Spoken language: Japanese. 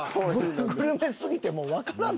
グルメすぎてもうわからん。